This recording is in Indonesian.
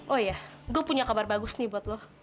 oh ya gue punya kabar bagus nih buat lo